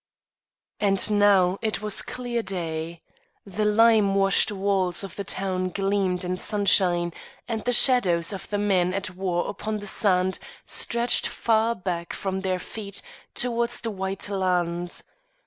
And now it was clear day. The lime washed walls of the town gleamed in sunshine, and the shadows of the men at war upon the sand stretched far back from their feet toward the white land.